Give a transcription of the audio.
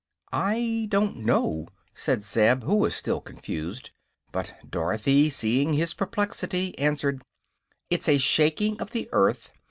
"I don't know," said Zeb, who was still confused. But Dorothy, seeing his perplexity, answered: "It's a shaking of the earth.